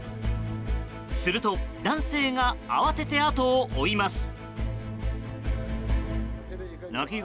すると、男性が慌てて後を追います。